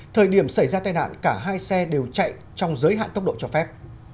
thời điểm xảy ra tai nạn cả hai xe đều chạy trong giới hạn tốc độ cho phép